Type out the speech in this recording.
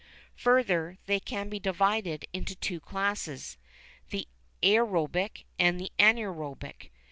Further, they can be divided into two classes, the aerobic and the anaerobic.